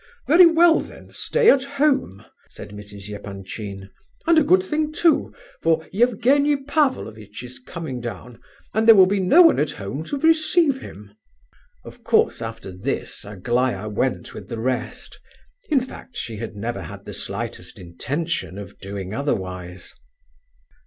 "Very well then, stay at home," said Mrs. Epanchin, "and a good thing too, for Evgenie Pavlovitch is coming down and there will be no one at home to receive him." Of course, after this, Aglaya went with the rest. In fact, she had never had the slightest intention of doing otherwise.